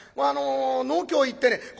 あの農協へ行ってね